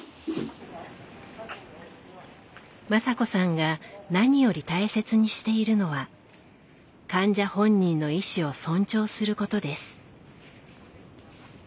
雅子さんが何より大切にしているのは患者本人の意思を尊重することです。